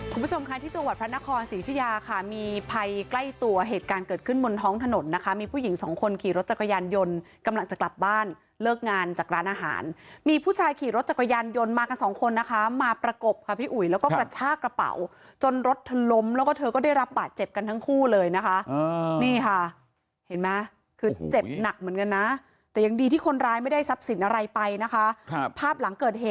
คุณผู้ชมค่ะที่จังหวัดพระนครศรีภิยาค่ะมีภัยใกล้ตัวเหตุการณ์เกิดขึ้นบนท้องถนนนะคะมีผู้หญิงสองคนขี่รถจักรยานยนต์กำลังจะกลับบ้านเลิกงานจากร้านอาหารมีผู้ชายขี่รถจักรยานยนต์มากันสองคนนะคะมาประกบค่ะพี่อุ๋ยแล้วก็กระชากระเป๋าจนรถล้มแล้วก็เธอก็ได้รับบาดเจ็บกันทั้งคู่เลยนะคะนี่ค่ะเห็